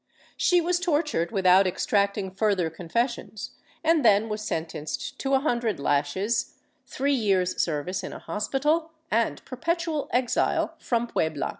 She was tortured without extracting further confessions and then was sentenced to a hundred lashes, three years' service in a hospital and perpetual exile from Puebla.